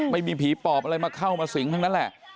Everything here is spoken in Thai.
ไม่มีผีปอบอะไรมาเข้ามาสิงทั้งนั้นแหละ